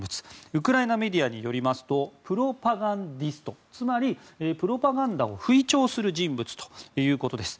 ウクライナメディアによりますとプロパガンディストつまり、プロパガンダを吹聴する人物ということです。